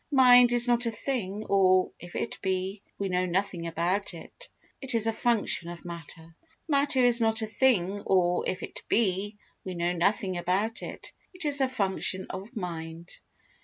Mind is not a thing or, if it be, we know nothing about it; it is a function of matter. Matter is not a thing or, if it be, we know nothing about it; it is a function of mind.